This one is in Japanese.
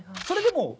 それでも。